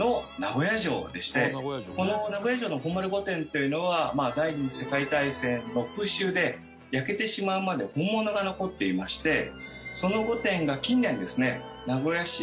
この名古屋城の本丸御殿というのは第２次世界大戦の空襲で焼けてしまうまで本物が残っていましてその御殿が近年ですね。